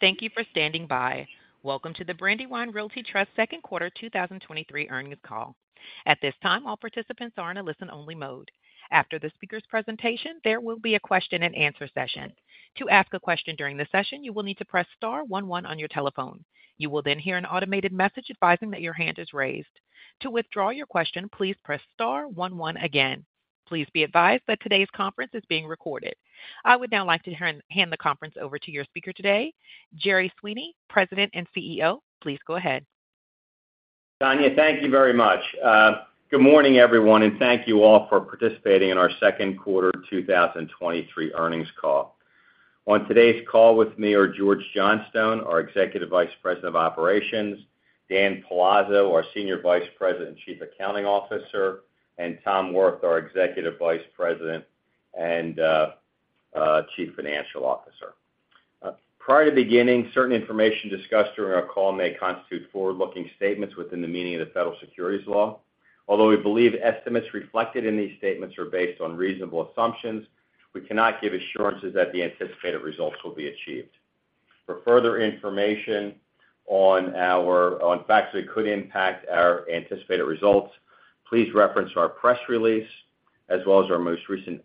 Thank you for standing by. Welcome to the Brandywine Realty Trust Second Quarter 2023 Earnings Call. At this time, all participants are in a listen-only mode. After the speaker's presentation, there will be a question-and-answer session. To ask a question during the session, you will need to press star 11 on your telephone. You will then hear an automated message advising that your hand is raised. To withdraw your question, please press star 11 again. Please be advised that today's conference is being recorded. I would now like to hand the conference over to your speaker today, Jerry Sweeney, President and CEO. Please go ahead. Tanya, thank you very much. Good morning, everyone, and thank you all for participating in our second quarter 2023 earnings call. On today's call with me are George Johnstone, our Executive Vice President of Operations, Dan Palazzo, our Senior Vice President and Chief Accounting Officer, and Tom Wirth, our Executive Vice President and Chief Financial Officer. Prior to beginning, certain information discussed during our call may constitute forward-looking statements within the meaning of the Federal Securities Law. Although we believe estimates reflected in these statements are based on reasonable assumptions, we cannot give assurances that the anticipated results will be achieved. For further information on facts that could impact our anticipated results, please reference our press release, as well as our most recent,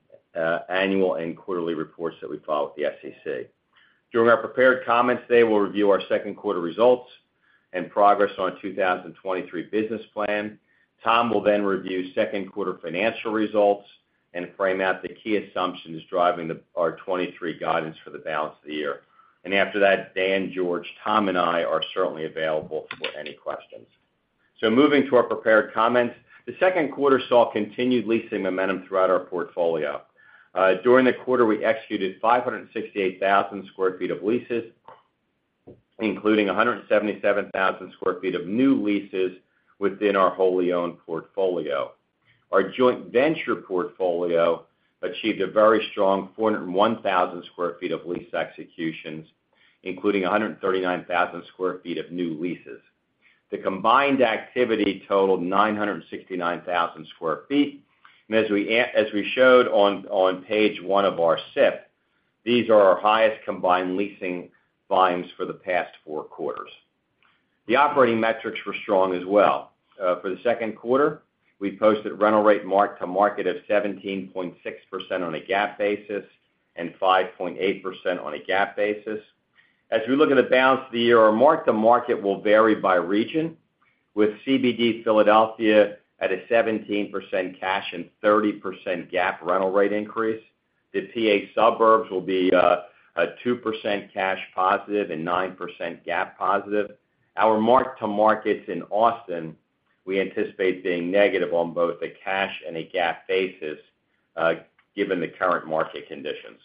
annual and quarterly reports that we file with the SEC. During our prepared comments today, we'll review our second quarter results and progress on our 2023 business plan. Tom will then review second quarter financial results and frame out the key assumptions driving our 2023 guidance for the balance of the year. After that, Dan, George, Tom, and I are certainly available for any questions. Moving to our prepared comments. The second quarter saw continued leasing momentum throughout our portfolio. During the quarter, we executed 568,000 sq ft of leases, including 177,000 sq ft of new leases within our wholly owned portfolio. Our joint venture portfolio achieved a very strong 401,000 sq ft of lease executions, including 139,000 sq ft of new leases. The combined activity totaled 969,000 sq ft, as we showed on page one of our SIP, these are our highest combined leasing volumes for the past four quarters. The operating metrics were strong as well. For the second quarter, we posted rental rate mark-to-market of 17.6% on a GAAP basis and 5.8% on a GAAP basis. As we look at the balance of the year, our mark-to-market will vary by region, with CBD Philadelphia at a 17% cash and 30% GAAP rental rate increase. The PA suburbs will be a 2% cash positive and 9% GAAP positive. Our mark-to-markets in Austin, we anticipate being negative on both a cash and a GAAP basis, given the current market conditions.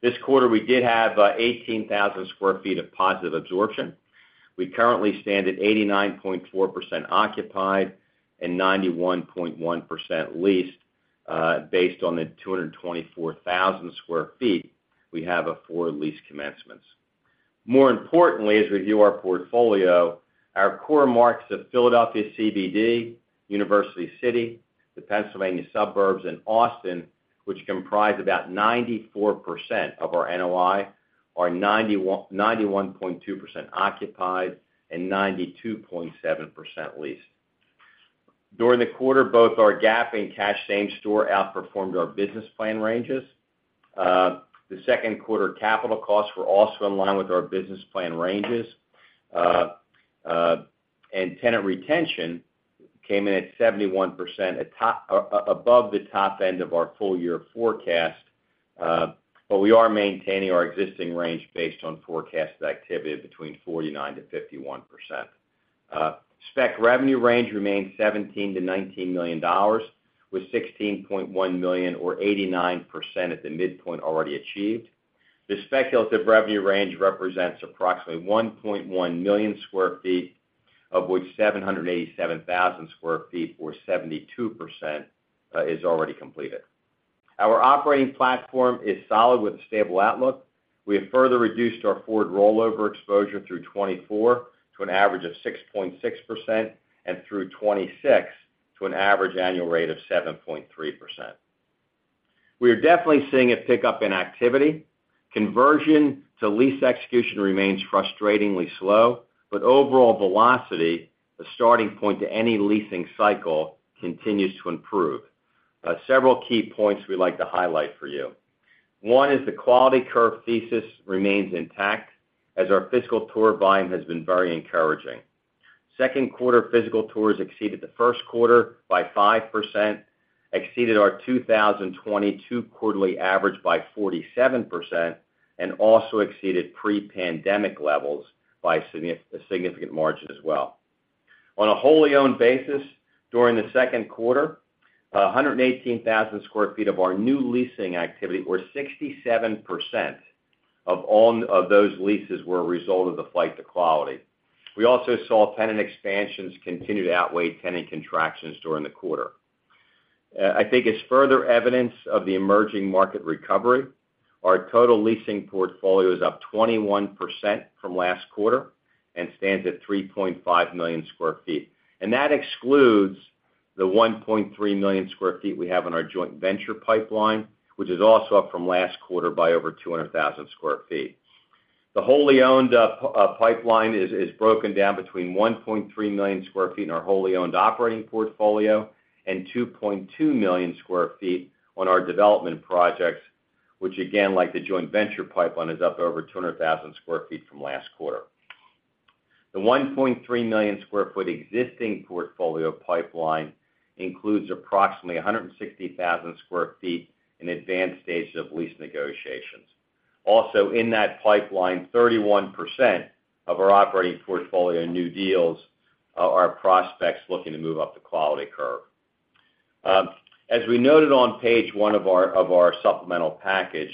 This quarter, we did have 18,000 sq ft of positive absorption. We currently stand at 89.4% occupied and 91.1% leased, based on the 224,000 sq ft we have afford lease commencements. More importantly, as we review our portfolio, our core markets of Philadelphia CBD, University City, the Pennsylvania suburbs, and Austin, which comprise about 94% of our NOI, are 91.2% occupied and 92.7% leased. During the quarter, both our GAAP and cash same store outperformed our business plan ranges. The second quarter capital costs were also in line with our business plan ranges. Tenant retention came in at 71%, above the top end of our full year forecast, but we are maintaining our existing range based on forecasted activity between 49%-51%. Spec revenue range remains $17 million-$19 million, with $16.1 million or 89% at the midpoint already achieved. The speculative revenue range represents approximately 1.1 million sq ft, of which 787,000 sq ft, or 72%, is already completed. Our operating platform is solid with a stable outlook. We have further reduced our forward rollover exposure through 2024 to an average of 6.6% and through 2026 to an average annual rate of 7.3%. We are definitely seeing a pickup in activity. Conversion to lease execution remains frustratingly slow, but overall velocity, the starting point to any leasing cycle, continues to improve. Several key points we'd like to highlight for you. One is the quality curve thesis remains intact as our physical tour volume has been very encouraging. Second quarter physical tours exceeded the first quarter by 5%, exceeded our 2022 quarterly average by 47%, and also exceeded pre-pandemic levels by a significant margin as well. On a wholly owned basis, during the second quarter, 118,000 sq ft of our new leasing activity, or 67% of those leases, were a result of the flight to quality. We also saw tenant expansions continue to outweigh tenant contractions during the quarter. I think as further evidence of the emerging market recovery, our total leasing portfolio is up 21% from last quarter and stands at 3.5 million sq ft. That excludes the 1.3 million sq ft we have in our joint venture pipeline, which is also up from last quarter by over 200,000 sq ft. The wholly owned pipeline is broken down between 1.3 million sq ft in our wholly owned operating portfolio and 2.2 million sq ft on our development projects, which again, like the joint venture pipeline, is up over 200,000 sq ft from last quarter. The 1.3 million sq ft existing portfolio pipeline includes approximately 160,000 sq ft in advanced stages of lease negotiations. In that pipeline, 31% of our operating portfolio in new deals are prospects looking to move up the quality curve. As we noted on page 1 of our supplemental package,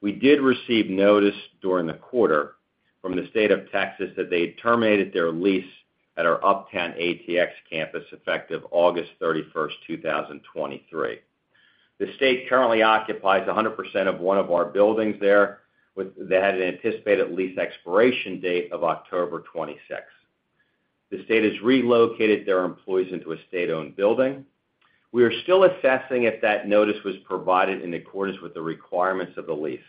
we did receive notice during the quarter from the state of Texas that they had terminated their lease at our Uptown ATX campus effective August 31, 2023. The state currently occupies 100% of 1 of our buildings there that had an anticipated lease expiration date of October 26. The state has relocated their employees into a state-owned building. We are still assessing if that notice was provided in accordance with the requirements of the lease.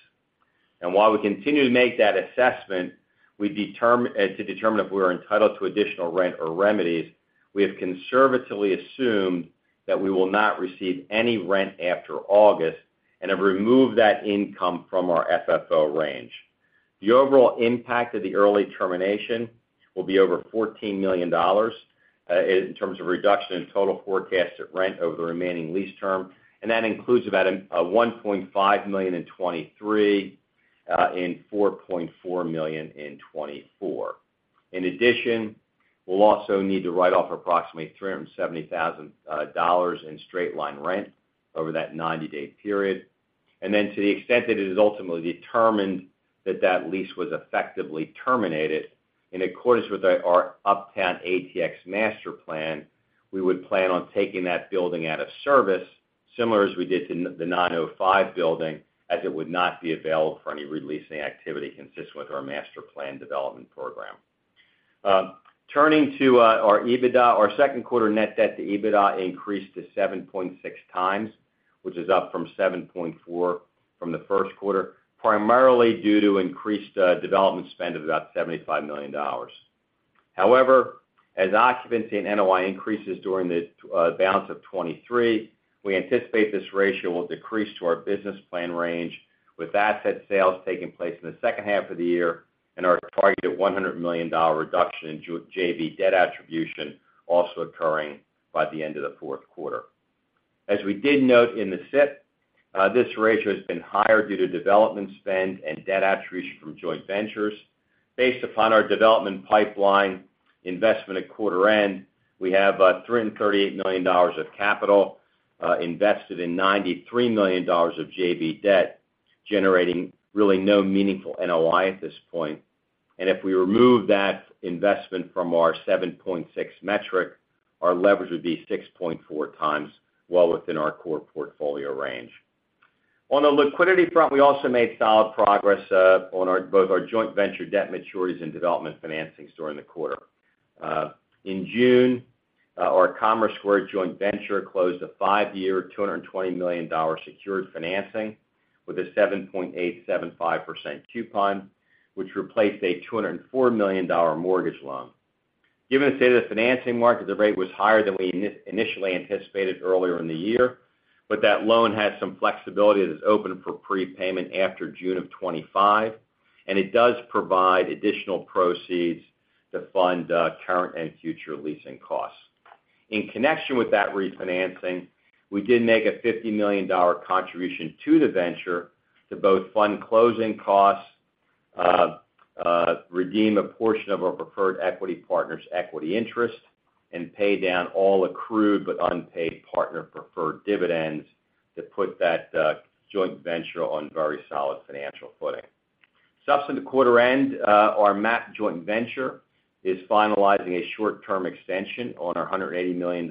While we continue to make that assessment, we determine if we are entitled to additional rent or remedies, we have conservatively assumed that we will not receive any rent after August and have removed that income from our FFO range. The overall impact of the early termination will be over $14 million in terms of reduction in total forecasted rent over the remaining lease term, and that includes about $1.5 million in 2023 and $4.4 million in 2024. In addition, we'll also need to write off approximately $370,000 in straight line rent over that 90-day period. To the extent that it is ultimately determined that that lease was effectively terminated, in accordance with our Uptown ATX master plan, we would plan on taking that building out of service, similar as we did to the 905 building, as it would not be available for any re-leasing activity consistent with our master plan development program. Turning to our EBITDA, our second quarter net debt to EBITDA increased to 7.6 times, which is up from 7.4 from the first quarter, primarily due to increased development spend of about $75 million. However, as occupancy and NOI increases during the balance of 2023, we anticipate this ratio will decrease to our business plan range, with asset sales taking place in the second half of the year and our targeted $100 million reduction in JV debt attribution also occurring by the end of the fourth quarter. As we did note in the SIP, this ratio has been higher due to development spend and debt attribution from joint ventures. Based upon our development pipeline investment at quarter end, we have $338 million of capital invested in $93 million of JV debt, generating really no meaningful NOI at this point. If we remove that investment from our 7.6 metric, our leverage would be 6.4 times, well within our core portfolio range. On the liquidity front, we also made solid progress on our, both our joint venture debt maturities and development financings during the quarter. In June, our Commerce Square joint venture closed a 5-year, $220 million secured financing with a 7.875% coupon, which replaced a $204 million mortgage loan. Given the state of the financing market, the rate was higher than we initially anticipated earlier in the year, but that loan has some flexibility that is open for prepayment after June of 2025, and it does provide additional proceeds to fund current and future leasing costs. In connection with that refinancing, we did make a $50 million contribution to the venture to both fund closing costs, redeem a portion of our preferred equity partner's equity interest, and pay down all accrued but unpaid partner preferred dividends to put that joint venture on very solid financial footing. Subsequent to quarter end, our MAP joint venture is finalizing a short-term extension on our $180 million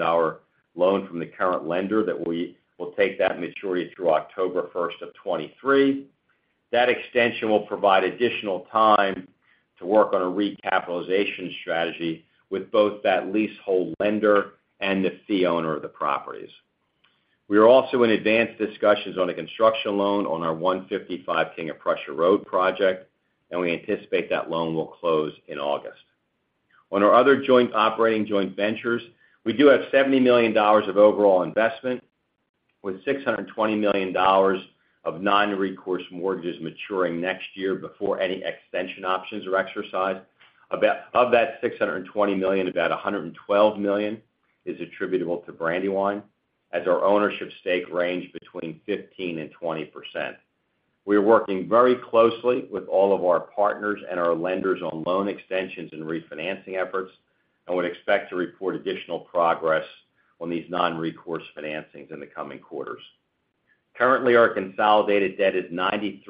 loan from the current lender that we will take that maturity through October 1, 2023. That extension will provide additional time to work on a recapitalization strategy with both that leasehold lender and the fee owner of the properties. We are also in advanced discussions on a construction loan on our 155 King of Prussia Road project, and we anticipate that loan will close in August. On our other joint operating joint ventures, we do have $70 million of overall investment, with $620 million of non-recourse mortgages maturing next year before any extension options are exercised. Of that $620 million, about $112 million is attributable to Brandywine, as our ownership stake range between 15% and 20%. We are working very closely with all of our partners and our lenders on loan extensions and refinancing efforts, would expect to report additional progress on these non-recourse financings in the coming quarters. Currently, our consolidated debt is 93%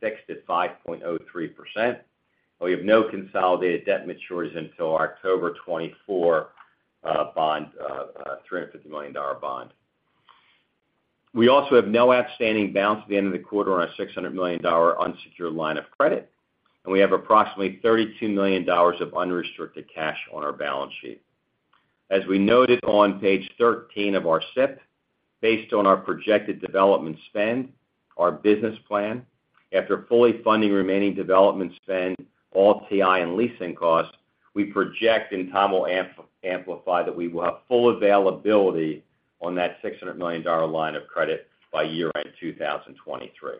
fixed at 5.03%. We have no consolidated debt matures until October 2024 bond, $350 million bond. We also have no outstanding balance at the end of the quarter on our $600 million unsecured line of credit. We have approximately $32 million of unrestricted cash on our balance sheet. As we noted on page 13 of our SIP, based on our projected development spend, our business plan, after fully funding remaining development spend, all TI and leasing costs, we project, and Tom will amplify, that we will have full availability on that $600 million line of credit by year-end 2023.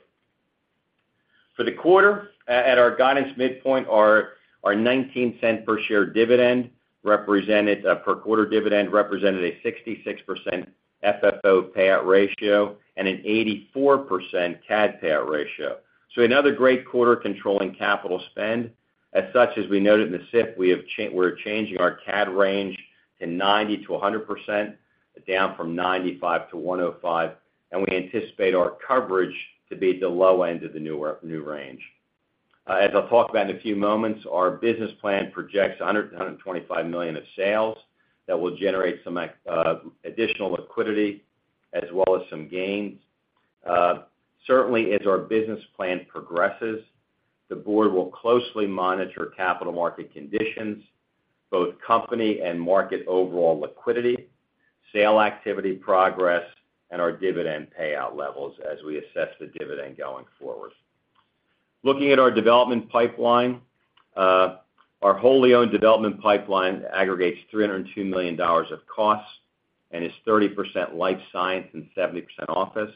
For the quarter, at our guidance midpoint, our $0.19 per share dividend represented per quarter dividend represented a 66% FFO payout ratio and an 84% CAD payout ratio. Another great quarter controlling capital spend. As such, as we noted in the SIP, we're changing our CAD range to 90%-100%, down from 95%-105%, we anticipate our coverage to be at the low end of the new range. As I'll talk about in a few moments, our business plan projects $125 million of sales that will generate some additional liquidity as well as some gains. Certainly, as our business plan progresses, the board will closely monitor capital market conditions, both company and market overall liquidity, sale activity progress, and our dividend payout levels as we assess the dividend going forward. Looking at our development pipeline, our wholly owned development pipeline aggregates $302 million of costs and is 30% life science and 70% office.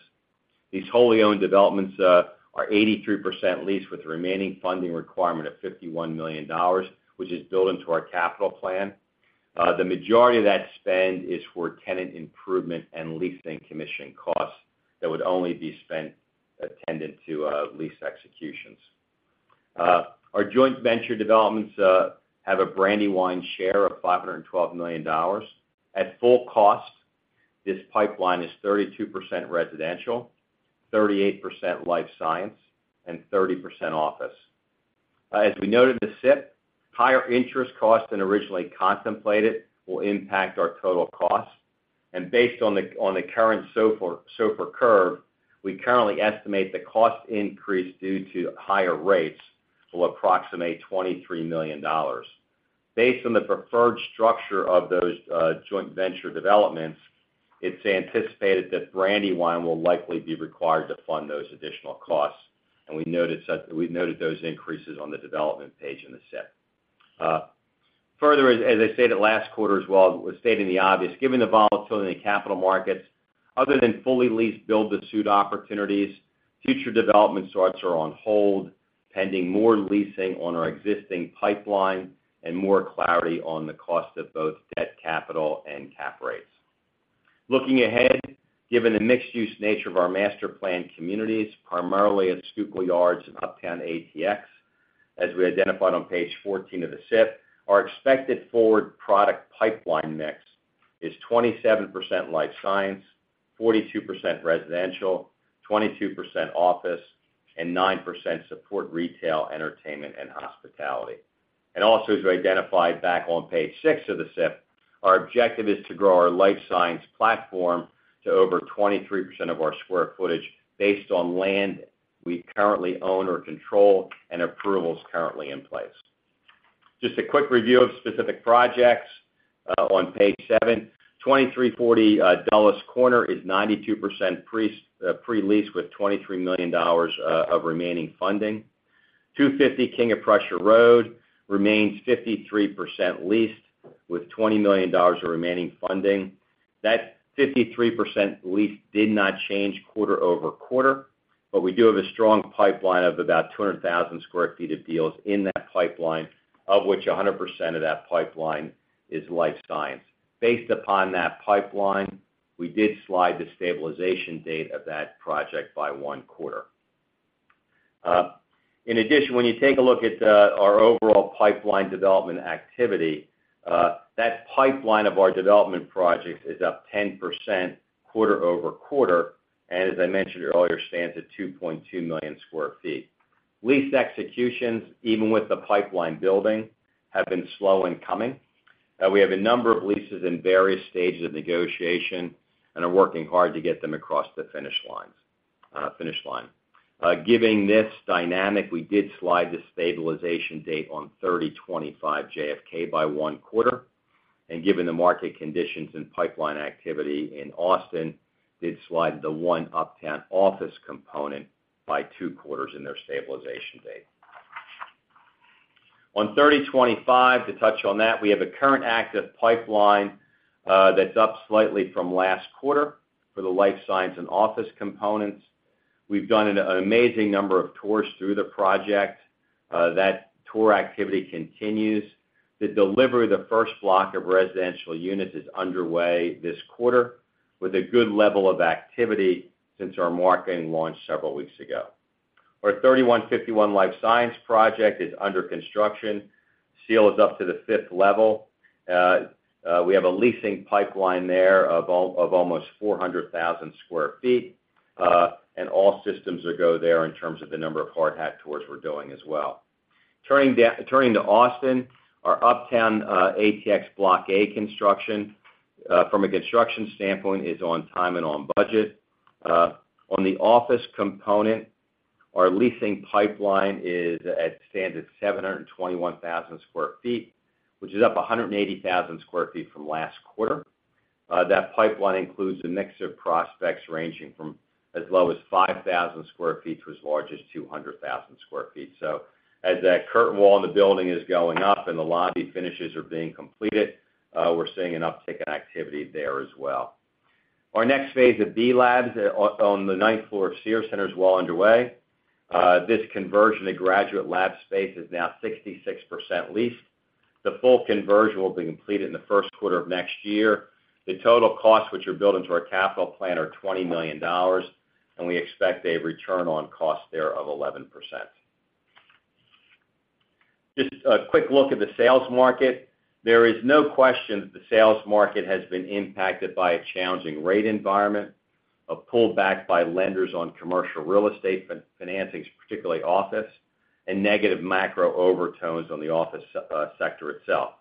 These wholly owned developments are 83% leased, with the remaining funding requirement of $51 million, which is built into our capital plan. The majority of that spend is for tenant improvement and leasing commission costs that would only be spent attendant to lease executions. Our joint venture developments have a Brandywine share of $512 million. At full cost, this pipeline is 32% residential, 38% life science, and 30% office. As we noted in the SIP, higher interest costs than originally contemplated will impact our total costs. Based on the current SOFR curve, we currently estimate the cost increase due to higher rates will approximate $23 million. Based on the preferred structure of those joint venture developments, it's anticipated that Brandywine will likely be required to fund those additional costs, and we noted those increases on the development page in the SIP. Further, as I stated last quarter as well, stating the obvious, given the volatility in the capital markets, other than fully leased build-to-suit opportunities, future development starts are on hold, pending more leasing on our existing pipeline and more clarity on the cost of both debt capital and cap rates. Looking ahead, given the mixed-use nature of our master planned communities, primarily at Schuylkill Yards and Uptown ATX, as we identified on page 14 of the SIP, our expected forward product pipeline mix is 27% life science, 42% residential, 22% office, and 9% support retail, entertainment, and hospitality. As we identified back on page six of the SIP, our objective is to grow our life science platform to over 23% of our square footage based on land we currently own or control and approvals currently in place. Just a quick review of specific projects on page seven. 2340 Dulles Corner is 92% pre-leased with $23 million of remaining funding. 250 King of Prussia Road remains 53% leased, with $20 million of remaining funding. That 53% leased did not change quarter-over-quarter, we do have a strong pipeline of about 200,000 sq ft of deals in that pipeline, of which 100% of that pipeline is life science. Based upon that pipeline, we did slide the stabilization date of that project by one quarter. In addition, when you take a look at our overall pipeline development activity, that pipeline of our development projects is up 10% quarter-over-quarter, and as I mentioned earlier, stands at 2.2 million sq ft. Lease executions, even with the pipeline building, have been slow in coming. We have a number of leases in various stages of negotiation and are working hard to get them across the finish line. Giving this dynamic, we did slide the stabilization date on 3025 JFK by 1 quarter, and given the market conditions and pipeline activity in Austin, did slide the 1 Uptown office component by 2 quarters in their stabilization date. On 3025, to touch on that, we have a current active pipeline that's up slightly from last quarter for the life science and office components. We've done an amazing number of tours through the project. That tour activity continues. The delivery of the first block of residential units is underway this quarter, with a good level of activity since our marketing launch several weeks ago. Our 3151 life science project is under construction. Steel is up to the 5th level. We have a leasing pipeline there of almost 400,000 sq ft, and all systems are go there in terms of the number of hard hat tours we're doing as well. Turning to Austin, our Uptown ATX Block A construction from a construction standpoint is on time and on budget. On the office component, our leasing pipeline is at standard 721,000 sq ft, which is up 180,000 sq ft from last quarter. That pipeline includes a mix of prospects ranging from as low as 5,000 sq ft to as large as 200,000 sq ft. As that curtain wall in the building is going up and the lobby finishes are being completed, we're seeing an uptick in activity there as well. Our next phase of B+labs on the ninth floor of Cira Centre is well underway. This conversion to graduate lab space is now 66% leased. The full conversion will be completed in the first quarter of next year. The total costs, which are built into our capital plan, are $20 million, and we expect a return on cost there of 11%. Just a quick look at the sales market. There is no question that the sales market has been impacted by a challenging rate environment, a pullback by lenders on commercial real estate financings, particularly office, and negative macro overtones on the office sector itself.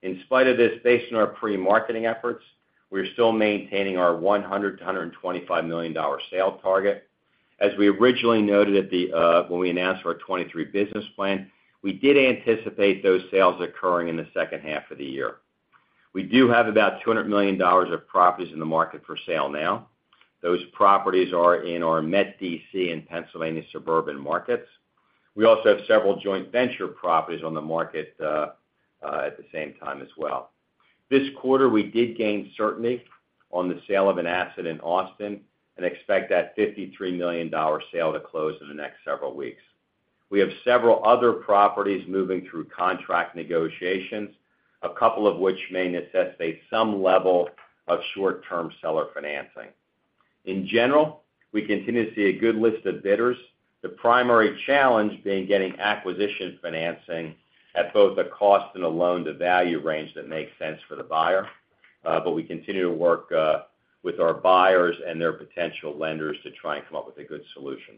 In spite of this, based on our pre-marketing efforts, we're still maintaining our $100 million-$125 million sale target. As we originally noted at the, when we announced our 2023 business plan, we did anticipate those sales occurring in the second half of the year. We do have about $200 million of properties in the market for sale now. Those properties are in our Met DC and Pennsylvania suburban markets. We also have several joint venture properties on the market at the same time as well. This quarter, we did gain certainty on the sale of an asset in Austin and expect that $53 million sale to close in the next several weeks. We have several other properties moving through contract negotiations, a couple of which may necessitate some level of short-term seller financing. In general, we continue to see a good list of bidders, the primary challenge being getting acquisition financing at both a cost and a loan-to-value range that makes sense for the buyer, but we continue to work with our buyers and their potential lenders to try and come up with a good solution.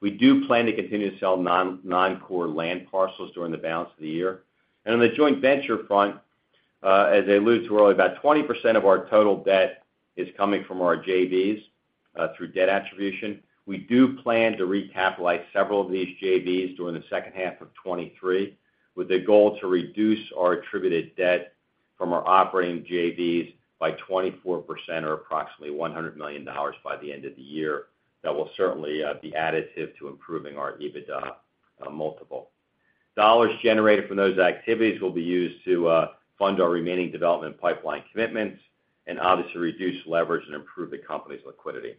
We do plan to continue to sell non-core land parcels during the balance of the year. On the joint venture front, as I alluded to earlier, about 20% of our total debt is coming from our JVs through debt attribution. We do plan to recapitalize several of these JVs during the second half of 2023, with the goal to reduce our attributed debt from our operating JVs by 24% or approximately $100 million by the end of the year. That will certainly be additive to improving our EBITDA multiple. Dollars generated from those activities will be used to fund our remaining development pipeline commitments and obviously reduce leverage and improve the company's liquidity.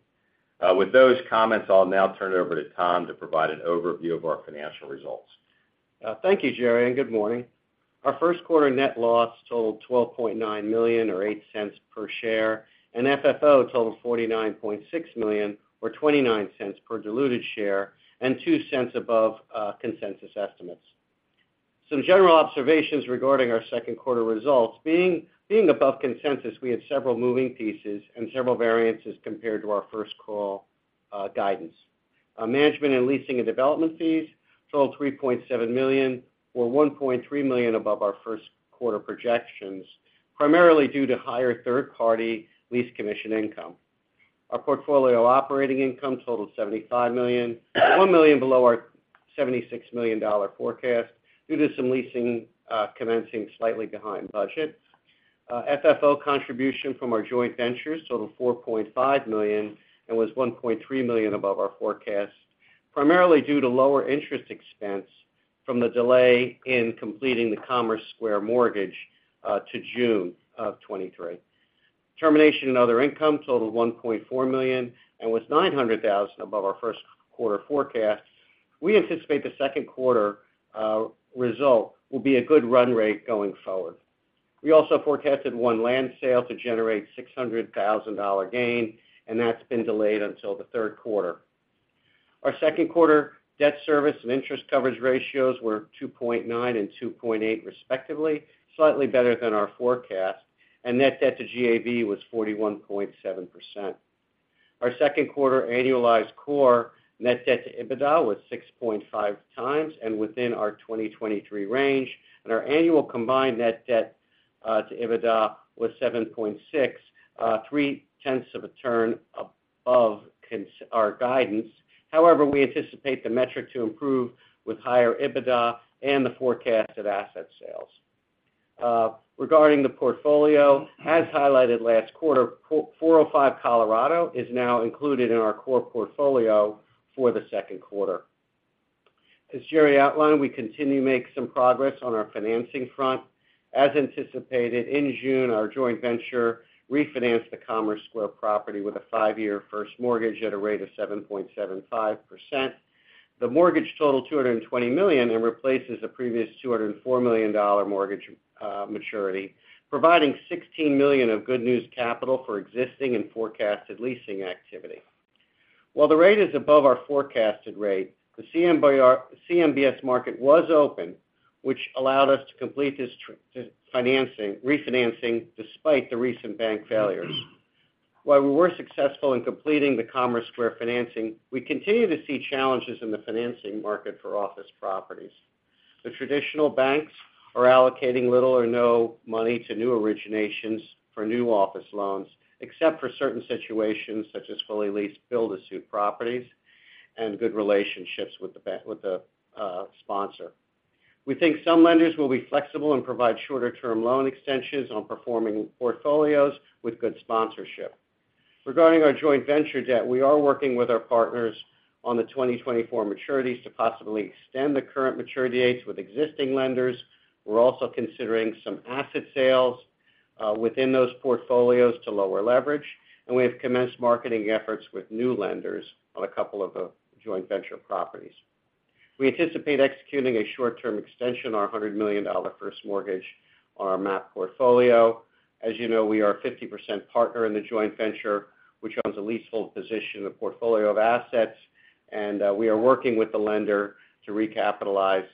With those comments, I'll now turn it over to Tom to provide an overview of our financial results. Thank you, Jerry, and good morning. Our first quarter net loss totaled $12.9 million or $0.08 per share. FFO totaled $49.6 million or $0.29 per diluted share and $0.02 above consensus estimates. Some general observations regarding our second quarter results. Being above consensus, we had several moving pieces and several variances compared to our first call guidance. Our management and leasing and development fees totaled $3.7 million, or $1.3 million above our first quarter projections, primarily due to higher third-party lease commission income. Our portfolio operating income totaled $75 million, $1 million below our $76 million forecast, due to some leasing commencing slightly behind budget. FFO contribution from our joint ventures totaled $4.5 million and was $1.3 million above our forecast, primarily due to lower interest expense from the delay in completing the Commerce Square mortgage to June of 2023. Termination and other income totaled $1.4 million and was $900,000 above our first quarter forecast. We anticipate the second quarter result will be a good run rate going forward. We also forecasted one land sale to generate $600,000 gain, and that's been delayed until the third quarter. Our second quarter debt service and interest coverage ratios were 2.9 and 2.8 respectively, slightly better than our forecast, and net debt to GAV was 41.7%. Our second quarter annualized core net debt to EBITDA was 6.5x and within our 2023 range, and our annual combined net debt to EBITDA was 7.6, three tenths of a turn above our guidance. However, we anticipate the metric to improve with higher EBITDA and the forecasted asset sales. Regarding the portfolio, as highlighted last quarter, 405 Colorado is now included in our core portfolio for the second quarter. As Jerry outlined, we continue to make some progress on our financing front. As anticipated, in June, our joint venture refinanced the Commerce Square property with a five-year first mortgage at a rate of 7.75%. The mortgage totaled $220 million and replaces a previous $204 million mortgage maturity, providing $16 million of good news capital for existing and forecasted leasing activity. While the rate is above our forecasted rate, the CMBS market was open, which allowed us to complete this financing, refinancing despite the recent bank failures. While we were successful in completing the Commerce Square financing, we continue to see challenges in the financing market for office properties. The traditional banks are allocating little or no money to new originations for new office loans, except for certain situations such as fully leased build-to-suit properties and good relationships with the sponsor. We think some lenders will be flexible and provide shorter-term loan extensions on performing portfolios with good sponsorship. Regarding our joint venture debt, we are working with our partners on the 2024 maturities to possibly extend the current maturity dates with existing lenders. We're also considering some asset sales within those portfolios to lower leverage. We have commenced marketing efforts with new lenders on a couple of joint venture properties. We anticipate executing a short-term extension on our $100 million first mortgage on our MAP portfolio. As you know, we are a 50% partner in the joint venture, which owns a leasehold position of portfolio of assets. We are working with the lender to recapitalize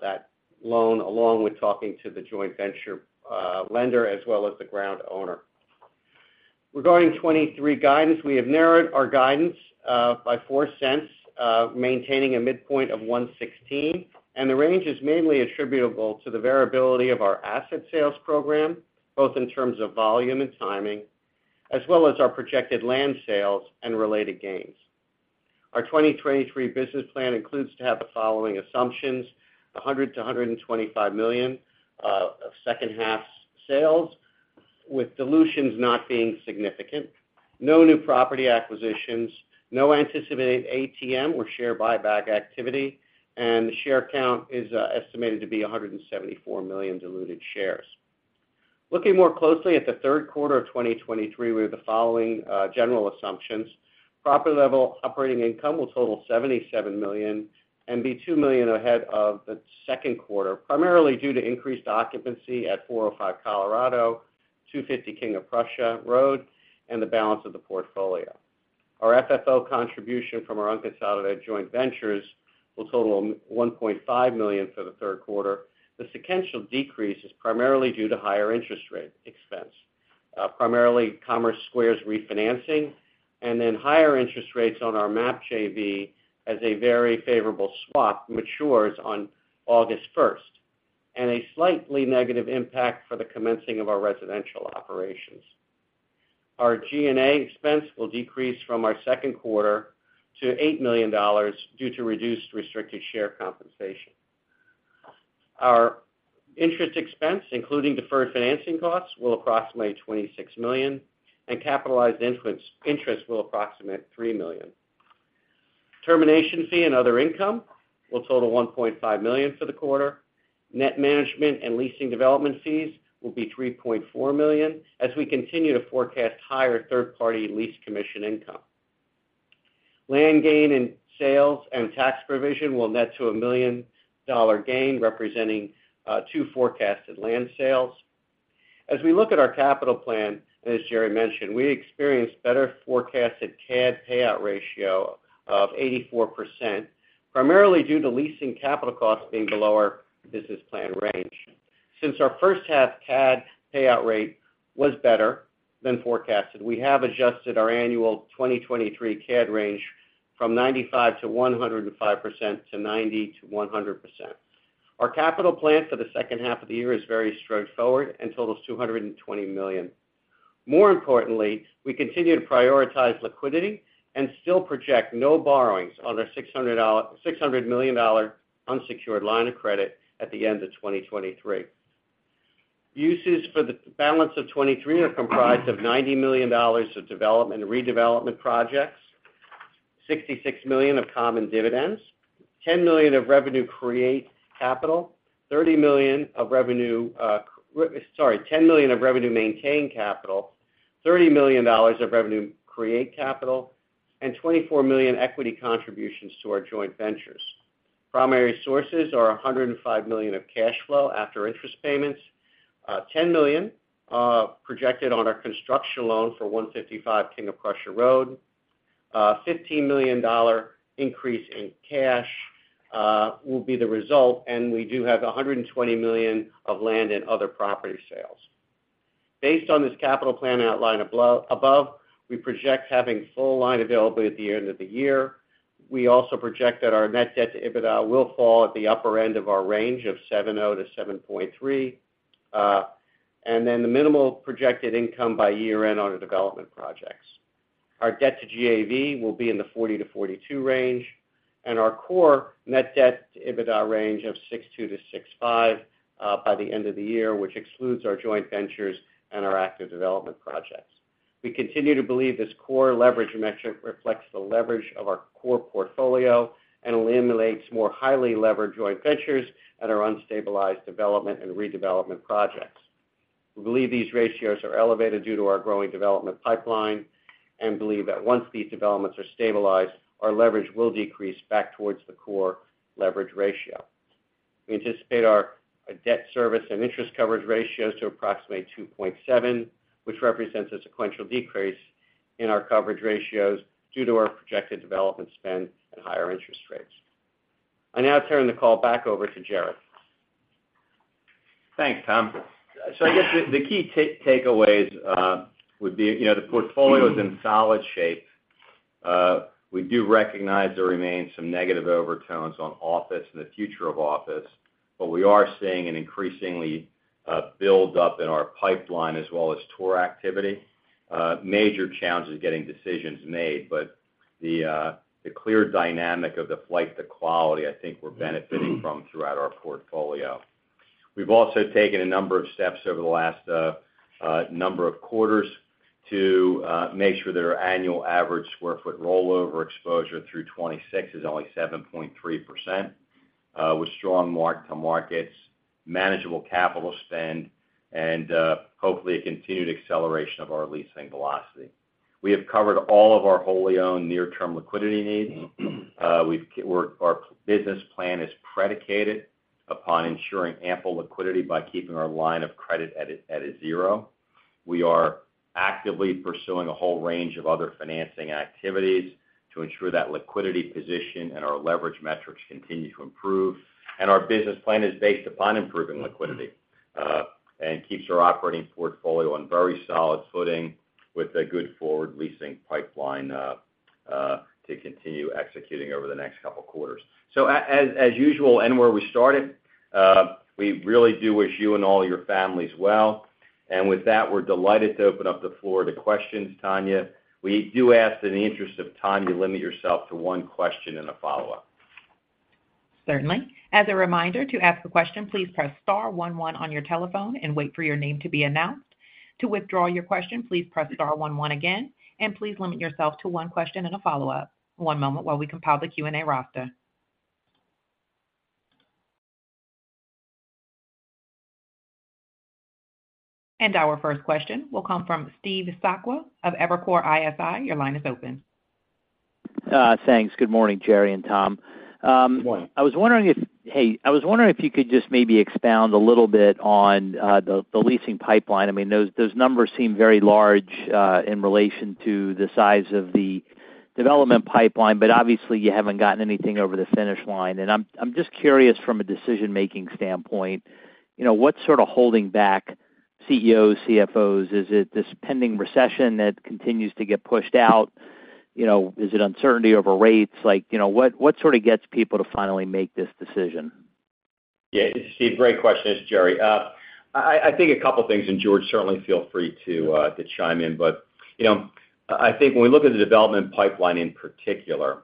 that loan, along with talking to the joint venture lender, as well as the ground owner. Regarding 2023 guidance, we have narrowed our guidance by $0.04, maintaining a midpoint of $1.16. The range is mainly attributable to the variability of our asset sales program, both in terms of volume and timing, as well as our projected land sales and related gains. Our 2023 business plan includes to have the following assumptions: $100 million-$125 million of second half sales, with dilutions not being significant, no new property acquisitions, no anticipated ATM or share buyback activity, and the share count is estimated to be 174 million diluted shares. Looking more closely at the third quarter of 2023, we have the following general assumptions. Property level operating income will total $77 million and be $2 million ahead of the second quarter, primarily due to increased occupancy at 405 Colorado, 250 King of Prussia Road, and the balance of the portfolio. Our FFO contribution from our unconsolidated joint ventures will total $1.5 million for the third quarter. The sequential decrease is primarily due to higher interest rate expense, primarily Commerce Square's refinancing, and then higher interest rates on our MAP JV as a very favorable swap matures on August first, and a slightly negative impact for the commencing of our residential operations. Our G&A expense will decrease from our second quarter to $8 million due to reduced restricted share compensation. Our interest expense, including deferred financing costs, will approximate $26 million, and capitalized interest will approximate $3 million. Termination fee and other income will total $1.5 million for the quarter. Net management and leasing development fees will be $3.4 million, as we continue to forecast higher third-party lease commission income. Land gain and sales and tax provision will net to a $1 million gain, representing 2 forecasted land sales. We look at our capital plan, as Jerry mentioned, we experienced better forecasted CAD payout ratio of 84%, primarily due to leasing capital costs being below our business plan range. Our first half CAD payout rate was better than forecasted, we have adjusted our annual 2023 CAD range from 95%-105% to 90%-100%. Our capital plan for the second half of the year is very straightforward and totals $220 million. More importantly, we continue to prioritize liquidity and still project no borrowings on our $600 million unsecured line of credit at the end of 2023. Uses for the balance of 2023 are comprised of $90 million of development and redevelopment projects, $66 million of common dividends, $10 million of revenue create capital, $10 million of revenue maintain capital, $30 million of revenue create capital, and $24 million equity contributions to our joint ventures. Primary sources are $105 million of cash flow after interest payments, $10 million projected on our construction loan for 155 King of Prussia Road, $15 million increase in cash will be the result, and we do have $120 million of land and other property sales. Based on this capital plan outline above, we project having full line availability at the end of the year. We also project that our net debt to EBITDA will fall at the upper end of our range of 7.0-7.3, and then the minimal projected income by year-end on the development projects. Our debt to GAV will be in the 40-42 range, and our core net debt to EBITDA range of 6.2-6.5 by the end of the year, which excludes our joint ventures and our active development projects. We continue to believe this core leverage metric reflects the leverage of our core portfolio and eliminates more highly leveraged joint ventures and our unstabilized development and redevelopment projects. We believe these ratios are elevated due to our growing development pipeline and believe that once these developments are stabilized, our leverage will decrease back towards the core leverage ratio. We anticipate our debt service and interest coverage ratios to approximate 2.7, which represents a sequential decrease in our coverage ratios due to our projected development spend and higher interest rates. I now turn the call back over to Jerry. Thanks, Tom. I guess the key takeaways would be, you know, the portfolio is in solid shape. We do recognize there remains some negative overtones on office and the future of office, but we are seeing an increasingly build up in our pipeline as well as tour activity. Major challenge is getting decisions made, but the clear dynamic of the flight to quality, I think we're benefiting from throughout our portfolio. We've also taken a number of steps over the last number of quarters to make sure that our annual average sq ft rollover exposure through 2026 is only 7.3% with strong mark-to-markets, manageable capital spend, and hopefully, a continued acceleration of our leasing velocity. We have covered all of our wholly owned near-term liquidity needs. Our business plan is predicated upon ensuring ample liquidity by keeping our line of credit at a 0. We are actively pursuing a whole range of other financing activities to ensure that liquidity position and our leverage metrics continue to improve. Our business plan is based upon improving liquidity and keeps our operating portfolio on very solid footing with a good forward leasing pipeline to continue executing over the next 2 quarters. As usual, and where we started, we really do wish you and all your families well. With that, we're delighted to open up the floor to questions, Tanya. We do ask that in the interest of time, you limit yourself to 1 question and a follow-up. Certainly. As a reminder, to ask a question, please press star one on your telephone and wait for your name to be announced. To withdraw your question, please press star one again, and please limit yourself to one question and a follow-up. One moment while we compile the Q&A roster. Our first question will come from Steve Sakwa of Evercore ISI. Your line is open. Thanks. Good morning, Jerry and Tom. Good morning. I was wondering if you could just maybe expound a little bit on the leasing pipeline. I mean, those numbers seem very large in relation to the size of the development pipeline, but obviously, you haven't gotten anything over the finish line. I'm just curious from a decision-making standpoint, you know, what's sort of holding back CEOs, CFOs? Is it this pending recession that continues to get pushed out? You know, is it uncertainty over rates? Like, you know, what sort of gets people to finally make this decision? Yeah, Steve, great question. It's Jerry. I think a couple of things, and George, certainly feel free to chime in. You know, I think when we look at the development pipeline, in particular,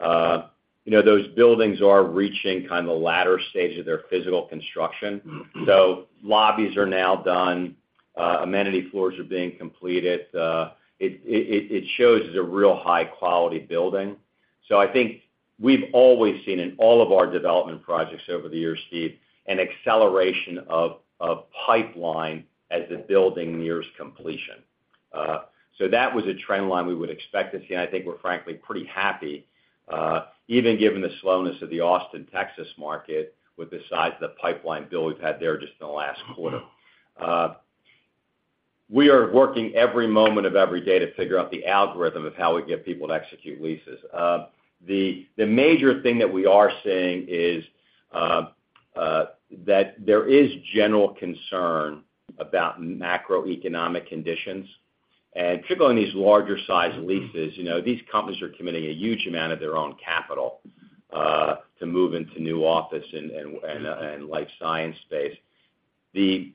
you know, those buildings are reaching kind of the latter stage of their physical construction. Mm-hmm. Lobbies are now done, amenity floors are being completed. It shows it's a real high-quality building. I think we've always seen in all of our development projects over the years, Steve, an acceleration of pipeline as the building nears completion. That was a trend line we would expect to see, and I think we're frankly pretty happy, even given the slowness of the Austin, Texas market, with the size of the pipeline bill we've had there just in the last quarter. We are working every moment of every day to figure out the algorithm of how we get people to execute leases. The major thing that we are seeing is that there is general concern about macroeconomic conditions. Particularly, in these larger-sized leases, you know, these companies are committing a huge amount of their own capital to move into new office and, and life science space. The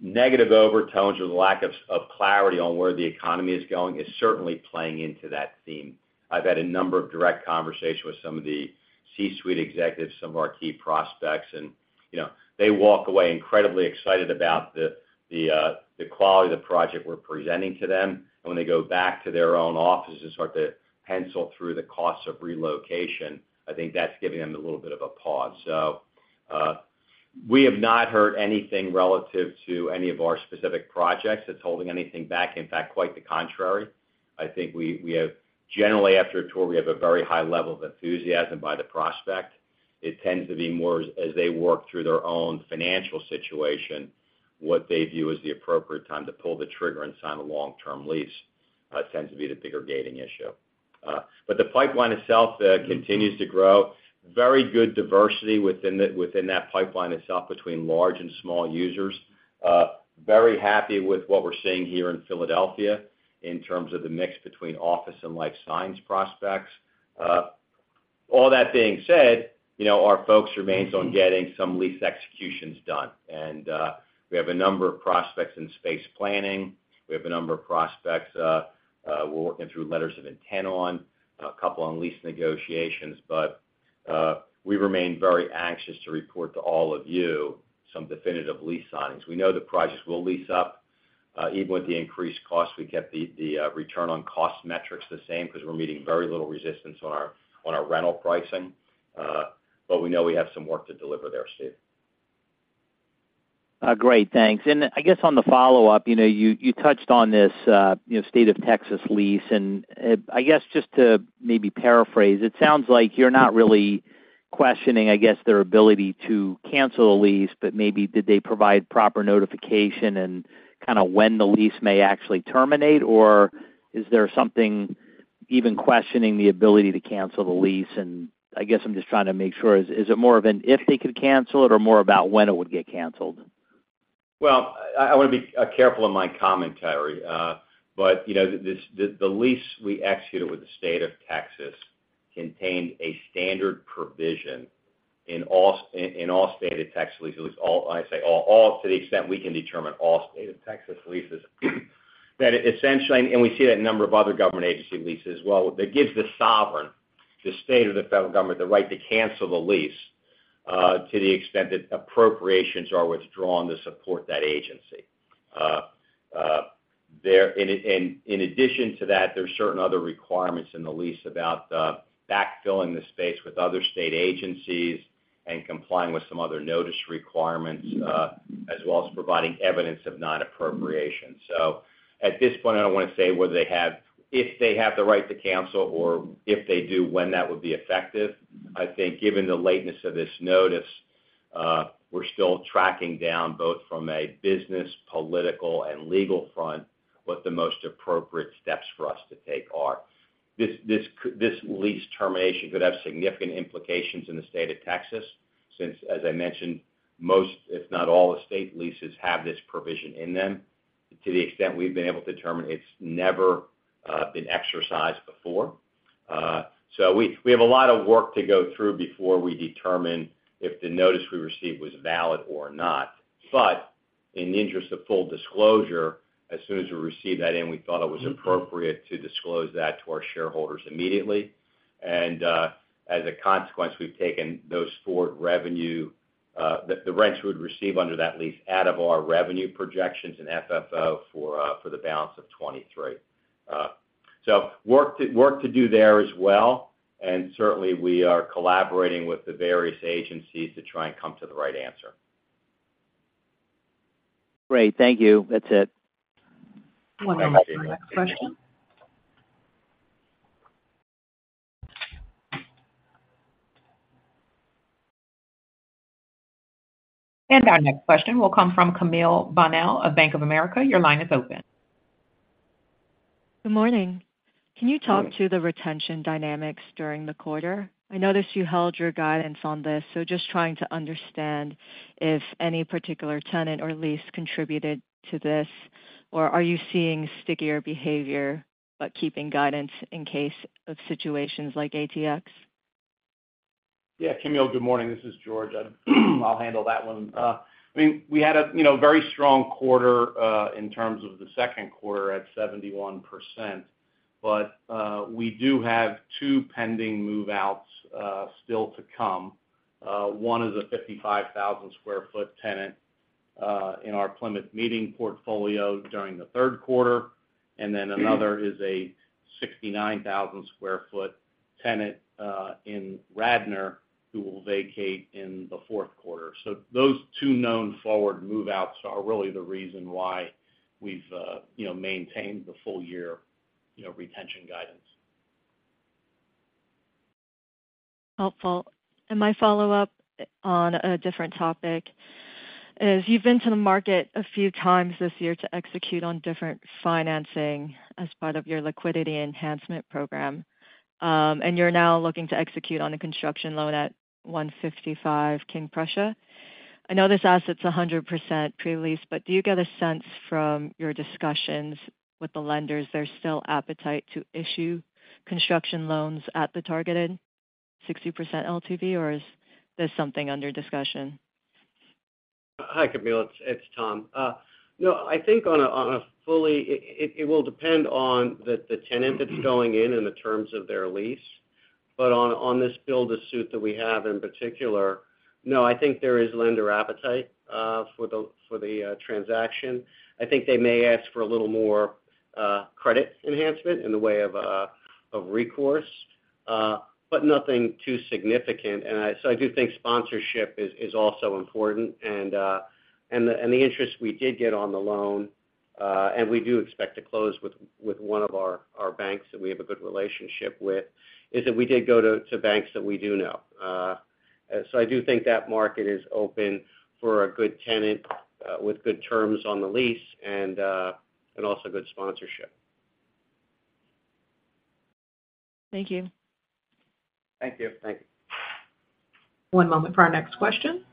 negative overtones or the lack of clarity on where the economy is going is certainly playing into that theme. I've had a number of direct conversations with some of the C-suite executives, some of our key prospects, and, you know, they walk away incredibly excited about the quality of the project we're presenting to them. When they go back to their own offices and start to pencil through the costs of relocation, I think that's giving them a little bit of a pause. We have not heard anything relative to any of our specific projects that's holding anything back. In fact, quite the contrary. I think we have generally, after a tour, we have a very high level of enthusiasm by the prospect. It tends to be more as they work through their own financial situation, what they view as the appropriate time to pull the trigger and sign a long-term lease, tends to be the bigger gating issue. The pipeline itself continues to grow. Very good diversity within that pipeline itself, between large and small users. Very happy with what we're seeing here in Philadelphia in terms of the mix between office and life science prospects. All that being said, you know, our focus remains on getting some lease executions done. We have a number of prospects in space planning. We have a number of prospects, we're working through letters of intent on, a couple on lease negotiations. We remain very anxious to report to all of you some definitive lease signings. We know the projects will lease up. Even with the increased costs, we kept the return on cost metrics the same, because we're meeting very little resistance on our rental pricing. We know we have some work to deliver there, Steve. Great, thanks. I guess on the follow-up, you know, you touched on this, you know, State of Texas lease. I guess just to maybe paraphrase, it sounds like you're not really questioning, I guess, their ability to cancel a lease, but maybe did they provide proper notification and kind of when the lease may actually terminate? Or is there something even questioning the ability to cancel the lease? I guess I'm just trying to make sure, is it more of an if they could cancel it, or more about when it would get canceled? Well, I wanna be careful in my commentary. You know, the lease we executed with the state of Texas contained a standard provision in all in all state of Texas leases, at least all, I say, all to the extent we can determine all state of Texas leases. That essentially, and we see that in a number of other government agency leases as well, that gives the sovereign, the state or the federal government, the right to cancel the lease to the extent that appropriations are withdrawn to support that agency. In addition to that, there are certain other requirements in the lease about backfilling the space with other state agencies and complying with some other notice requirements as well as providing evidence of non-appropriation. At this point, I don't want to say whether if they have the right to cancel or if they do, when that would be effective. I think given the lateness of this notice, we're still tracking down, both from a business, political, and legal front, what the most appropriate steps for us to take are. This lease termination could have significant implications in the state of Texas, since, as I mentioned, most, if not all, the state leases have this provision in them. To the extent we've been able to determine, it's never been exercised before. We have a lot of work to go through before we determine if the notice we received was valid or not. In the interest of full disclosure, as soon as we received that in, we thought it was appropriate to disclose that to our shareholders immediately. As a consequence, we've taken those forward revenue, the rents we would receive under that lease out of our revenue projections and FFO for the balance of 2023. Work to do there as well, and certainly, we are collaborating with the various agencies to try and come to the right answer. Great. Thank you. That's it. One moment for the next question. Our next question will come from Camille Bonnel of Bank of America. Your line is open. Good morning. Can you talk to the retention dynamics during the quarter? I noticed you held your guidance on this, so just trying to understand if any particular tenant or lease contributed to this, or are you seeing stickier behavior, but keeping guidance in case of situations like ATX? Yeah, Camille, good morning. This is George. I'll handle that one. I mean, we had a, you know, very strong quarter, in terms of the second quarter at 71%. We do have two pending move-outs, still to come. One is a 55,000 sq ft tenant, in our Plymouth Meeting portfolio during the third quarter, and then another is a 69,000 sq ft tenant, in Radnor, who will vacate in the fourth quarter. Those two known forward move-outs are really the reason why we've, you know, maintained the full year, you know, retention guidance. Helpful. My follow-up on a different topic is: you've been to the market a few times this year to execute on different financing as part of your liquidity enhancement program, and you're now looking to execute on a construction loan at 155 King Prussia. I know this asset's 100% pre-leased, but do you get a sense from your discussions with the lenders there's still appetite to issue construction loans at the targeted 60% LTV, or is there something under discussion? Hi, Camille. It's Tom. No, I think on a fully, it will depend on the tenant that's going in and the terms of their lease. On this build, a suit that we have in particular, no, I think there is lender appetite for the transaction. I think they may ask for a little more credit enhancement in the way of recourse, but nothing too significant. I do think sponsorship is also important. The interest we did get on the loan, and we do expect to close with one of our banks that we have a good relationship with, is that we did go to banks that we do know. I do think that market is open for a good tenant, with good terms on the lease and also good sponsorship. Thank you. Thank you. Thank you. One moment for our next question.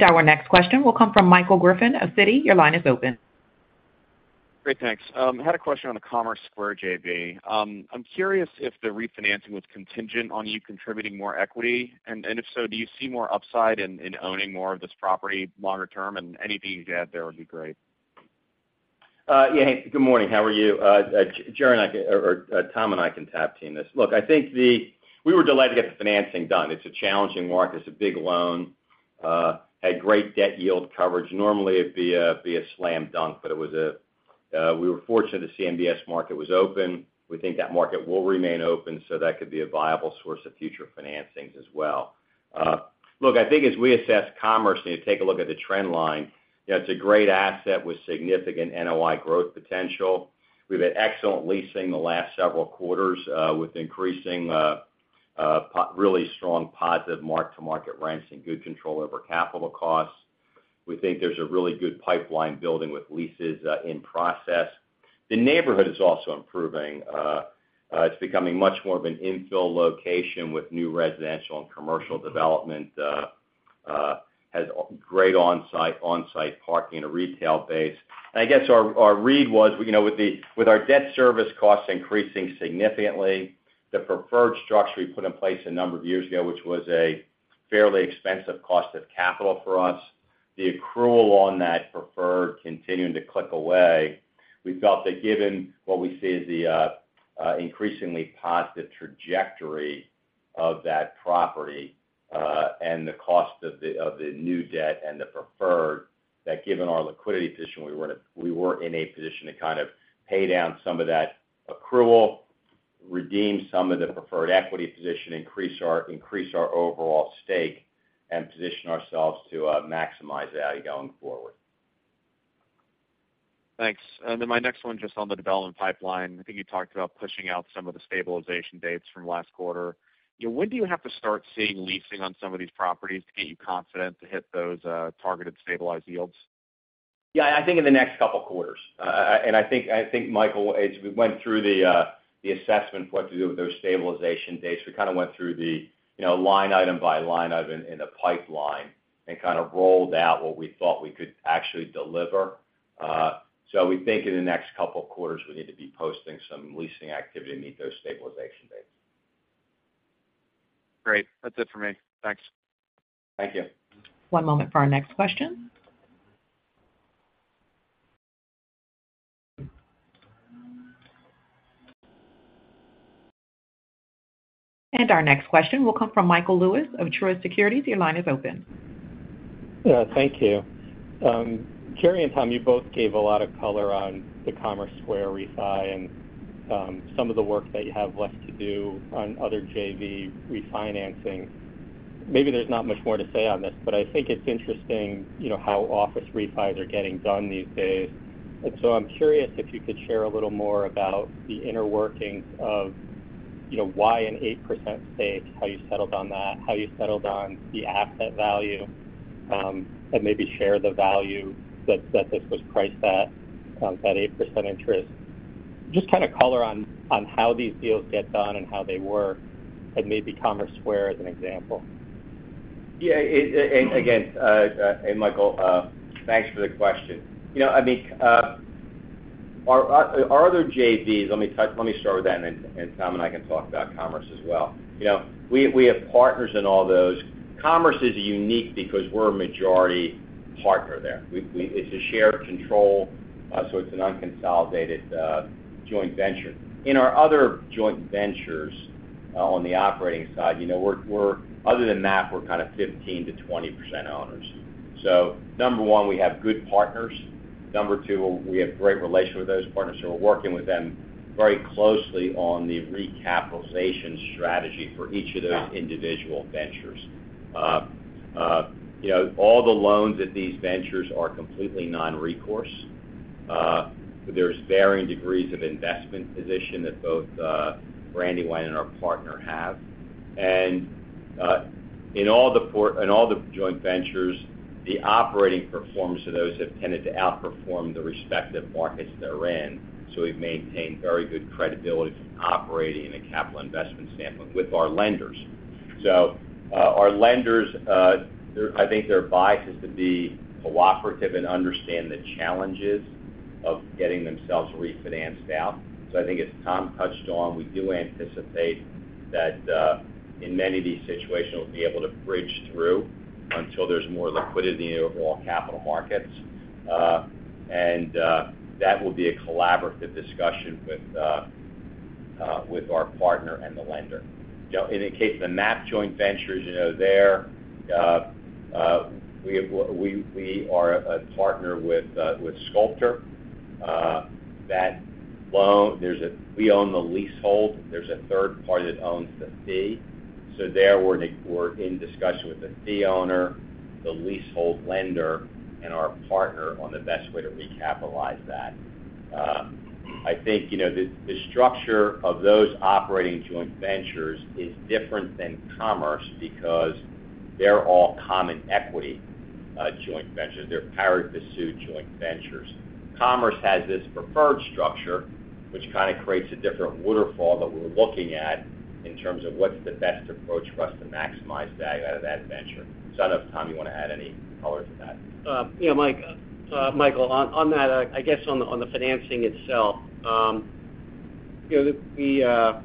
Our next question will come from Michael Griffin of Citi. Your line is open. Great, thanks. I had a question on the Commerce Square JV. I'm curious if the refinancing was contingent on you contributing more equity. If so, do you see more upside in owning more of this property longer term? Anything you could add there would be great. Uh, yeah. Hey, good morning. How are you? Uh, uh, Jerry and I, or, or, uh, Tom and I can tag team this. Look, I think the... We were delighted to get the financing done. It's a challenging market. It's a big loan. Uh, had great debt yield coverage. Normally, it'd be a, be a slam dunk, but it was a, uh, we were fortunate the CMBS market was open. We think that market will remain open, so that could be a viable source of future financings as well. Uh, look, I think as we assess Commerce, need to take a look at the trend line. You know, it's a great asset with significant NOI growth potential.... We've had excellent leasing the last several quarters, uh, with increasing, uh, uh, po- really strong positive mark-to-market rents and good control over capital costs. We think there's a really good pipeline building with leases in process. The neighborhood is also improving. It's becoming much more of an infill location with new residential and commercial development, has great onsite parking and a retail base. I guess our read was, you know, with our debt service costs increasing significantly, the preferred structure we put in place a number of years ago, which was a fairly expensive cost of capital for us, the accrual on that preferred continuing to click away, we felt that given what we see as the increasingly positive trajectory of that property, and the cost of the new debt and the preferred, that given our liquidity position, we were in a position to kind of pay down some of that accrual, redeem some of the preferred equity position, increase our overall stake, and position ourselves to maximize value going forward. Thanks. My next one, just on the development pipeline. I think you talked about pushing out some of the stabilization dates from last quarter. You know, when do you have to start seeing leasing on some of these properties to get you confident to hit those targeted stabilized yields? Yeah, I think in the next couple of quarters. I think, Michael, as we went through the assessment for what to do with those stabilization dates, we kind of went through the, you know, line item by line item in the pipeline and kind of rolled out what we thought we could actually deliver. We think in the next couple of quarters, we need to be posting some leasing activity to meet those stabilization dates. Great. That's it for me. Thanks. Thank you. One moment for our next question. Our next question will come from Michael Lewis of Truist Securities. Your line is open. Thank you. Jerry and Tom, you both gave a lot of color on the Commerce Square refi and some of the work that you have left to do on other JV refinancing. Maybe there's not much more to say on this, but I think it's interesting, you know, how office refis are getting done these days. I'm curious if you could share a little more about the inner workings of, you know, why an 8% stake, how you settled on that, how you settled on the asset value, and maybe share the value that this was priced at, that 8% interest. Just kind of color on how these deals get done and how they work, and maybe Commerce Square as an example. Again, hey, Michael, thanks for the question. You know, I mean, our other JVs, let me start with that, and then Tom and I can talk about Commerce as well. You know, we have partners in all those. Commerce is unique because we're a majority partner there. It's a shared control, so it's an unconsolidated joint venture. In our other joint ventures, on the operating side, you know, other than that, we're kind of 15%-20% owners. Number one, we have good partners. Number two, we have great relations with those partners, so we're working with them very closely on the recapitalization strategy for each of those individual ventures. You know, all the loans at these ventures are completely non-recourse. There's varying degrees of investment position that both Brandywine and our partner have. In all the joint ventures, the operating performance of those have tended to outperform the respective markets they're in. We've maintained very good credibility from an operating and a capital investment standpoint with our lenders. Our lenders, their, I think their bias is to be cooperative and understand the challenges of getting themselves refinanced out. I think as Tom touched on, we do anticipate that in many of these situations, we'll be able to bridge through until there's more liquidity in the overall capital markets. That will be a collaborative discussion with our partner and the lender. You know, in the case of the MAP joint ventures, you know, there, we are a partner with Sculptor. That loan, we own the leasehold, there's a third party that owns the fee. There, we're in discussion with the fee owner, the leasehold lender, and our partner on the best way to recapitalize that. I think, you know, the structure of those operating joint ventures is different than Commerce because they're all common equity, joint ventures. They're pari passu joint ventures. Commerce has this preferred structure, which kind of creates a different waterfall that we're looking at in terms of what's the best approach for us to maximize value out of that venture. I don't know if, Tom, you want to add any color to that? Yeah, Mike, Michael, on that, I guess on the financing itself, you know,